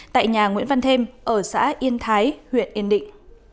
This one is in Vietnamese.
tại nhà nguyễn văn thêm ở xã yên thái huyện yên định